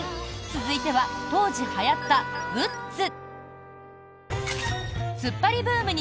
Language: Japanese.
続いては当時はやったグッズ。